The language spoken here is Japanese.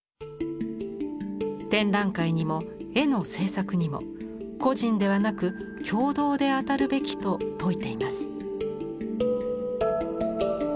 展覧会にも絵の制作にも個人ではなく共同で当たるべきと説いています。